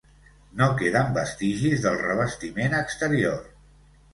No queden vestigis del revestiment exterior.